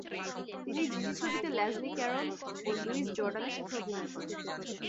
তিনি জিজি ছবিতে Leslie Caron ও লুইস জর্ডানের সাথে অভিনয় করেন।